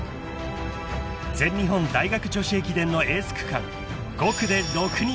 ［全日本大学女子駅伝のエース区間５区で］